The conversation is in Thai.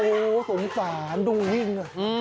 โอ๋สงสารดูวิ่ง